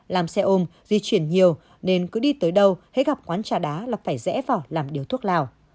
làm xe ôm di chuyển nhiều nên cứ đi tới đâu hãy gặp quán trà đá là phải rẽ vào làm điếu thuốc lào